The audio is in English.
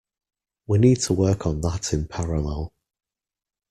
We need to work on that in parallel.